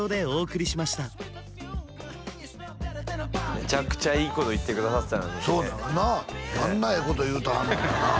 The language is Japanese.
めちゃくちゃいいこと言ってくださってたのにねあんなええこと言うてはんのにな